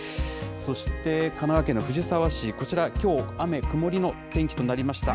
そして神奈川県の藤沢市、こちらきょう、雨、曇りの天気となりました。